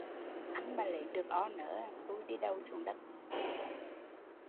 Anh mà lấy được o nớ, tui đi đầu xuống đất